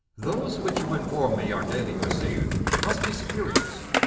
Those which you inform me are daily received must be spurious.